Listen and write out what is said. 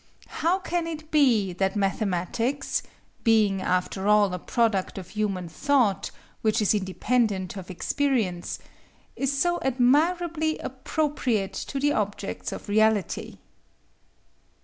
How can it be that mathematics, being after all a product of human thought which is independent of experience, is so admirably appropriate to the objects of reality?